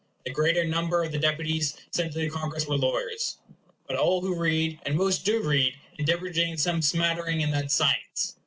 The greater number of the deputies sent to the Congress were lawyers. But a ll who read, and most do read, endeavor to obtain some smattering in that science.